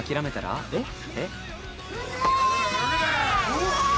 うわ！